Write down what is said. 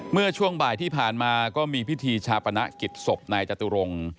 เมื่อช่วงบ่ายที่ผ่านมาก็มีพิธีชาปนกิจศพนายจตุรงค์